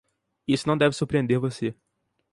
Isso não deve surpreender você.